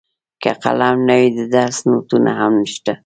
که قلم نه وي د درس نوټونه هم نشته.